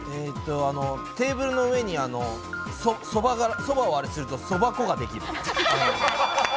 テーブルの上にそばをアレすると、そば粉ができる。